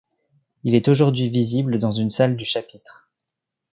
Il est aujourd'hui visible dans une salle du Chapitre.